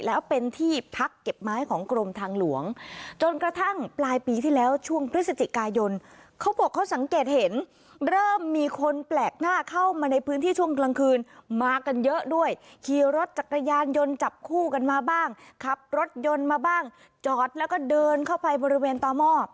เริ่มมีคนแปลกหน้าเข้ามาในพื้นที่ช่วงกลางคืนมากันเยอะด้วยขี่รถจักรยานยนต์จับคู่กันมาบ้างขับรถยนต์มาบ้างจอดแล้วก็เดินเข้าไปบริเวณต่อหม้อ